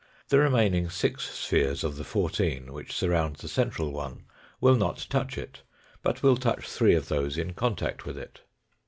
The re maining six spheres of the fourteen which surround the central one will not touch it, but will touch three of those in contact with it.